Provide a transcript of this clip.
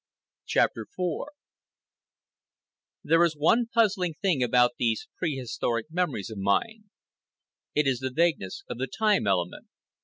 CHAPTER IV There is one puzzling thing about these prehistoric memories of mine. It is the vagueness of the time element.